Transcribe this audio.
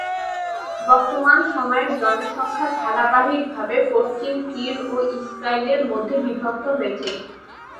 বর্তমান সময়ের জনসংখ্যা ধারাবাহিকভাবে পশ্চিম তীর ও ইসরায়েলের মধ্যে বিভক্ত হয়েছে।